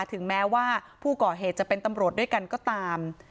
ถึงแม้ว่าผู้ก่อเหตุจะเป็นตำรวจด้วยกันก็ตาม